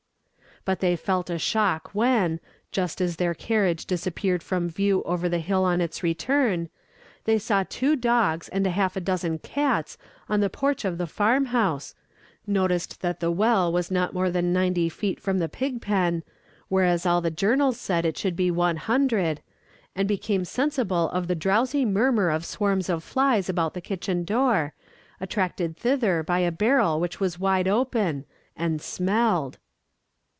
But they felt a shock when, just as their carriage disappeared from view over the hill on its return, they saw two dogs and a half dozen cats on the porch of the farmhouse, noticed that the well was not more than ninety feet from the pigpen, whereas all the journals said it should be one hundred, and became sensible of the drowsy murmur of swarms of flies about the kitchen door, attracted thither by a barrel which was wide open and smelled!